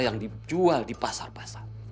yang dijual di pasar pasar